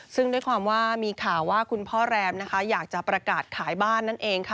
ซึ่งด้วยความว่ามีข่าวว่าคุณพ่อแรมนะคะอยากจะประกาศขายบ้านนั่นเองค่ะ